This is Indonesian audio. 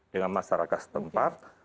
dengan masyarakat setempat